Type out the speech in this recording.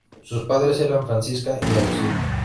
Sus padres eran Francisca y Agustín.